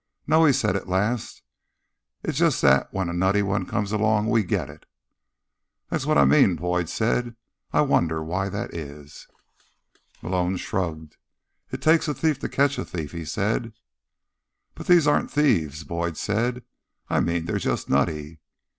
"No," he said at last. "It's just that when a nutty one comes along, we get it." "That's what I mean," Boyd said. "I wonder why that is." Malone shrugged. "It takes a thief to catch a thief," he said. "But these aren't thieves," Boyd said. "I mean, they're just nutty."